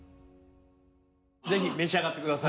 ぜひ召し上がって下さい。